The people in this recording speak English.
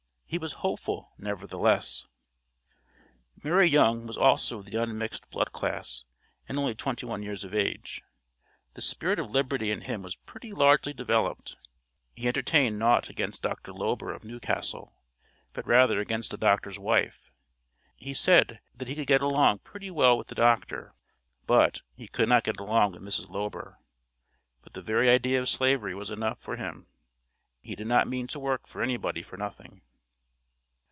He was hopeful, nevertheless. Murray Young was also of the unmixed blood class, and only twenty one years of age. The spirit of liberty in him was pretty largely developed. He entertained naught against Dr. Lober, of Newcastle, but rather against the Doctor's wife. He said that he could get along pretty well with the Doctor, but, he could not get along with Mrs. Lober. But the very idea of Slavery was enough for him. He did not mean to work for any body for nothing.